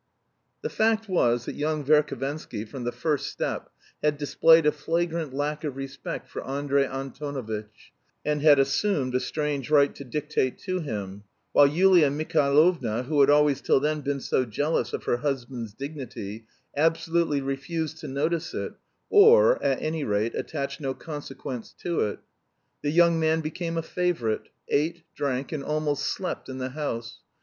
The fact was that young Verhovensky, from the first step, had displayed a flagrant lack of respect for Andrey Antonovitch, and had assumed a strange right to dictate to him; while Yulia Mihailovna, who had always till then been so jealous of her husband's dignity, absolutely refused to notice it; or, at any rate, attached no consequence to it. The young man became a favourite, ate, drank, and almost slept in the house.